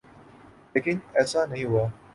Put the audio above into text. لیکن ایسا نہیں ہوا۔